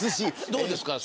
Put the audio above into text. どうですか。